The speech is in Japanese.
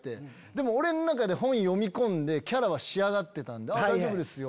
でも俺ん中で本読み込んでキャラは仕上がってたんで大丈夫ですよ！